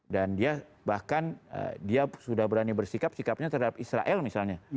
dan dia bahkan dia sudah berani bersikap sikapnya terhadap israel misalnya